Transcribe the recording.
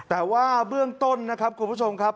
แต่ว่าเบื้องต้นนะครับคุณผู้ชมครับ